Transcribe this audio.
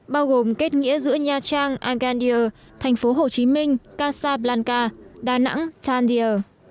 bao gồm kết nghĩa giữa nha trang agandia thành phố hồ chí minh casablanca đà nẵng tandia